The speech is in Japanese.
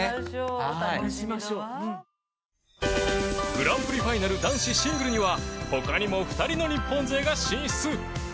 グランプリファイナル男子シングルには他にも２人の日本勢が進出